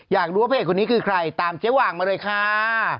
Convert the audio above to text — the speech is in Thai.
อยากรู้ว่าพระเอกคนนี้คือใครตามเจ๊หว่างมาเลยค่ะ